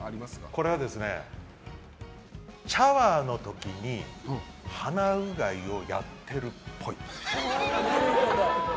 これは、シャワーの時に鼻うがいをやってるっぽい。